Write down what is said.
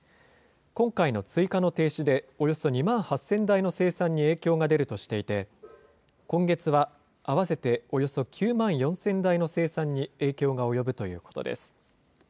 今回の追加の停止で、およそ２万８０００台の生産に影響が出るとしていて、今月は合わせておよそ９万４０００台の生産に影響が及ぶということです。